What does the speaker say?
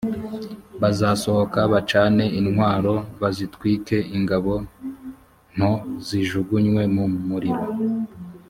bazasohoka bacane intwaro bazitwike ingabo nto zijugunywe mu muriro